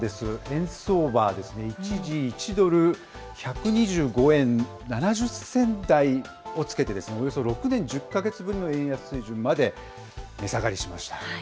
円相場ですね、一時、１ドル１２５円７０銭台をつけて、およそ６年１０か月ぶりの円安水準まで値下がりしました。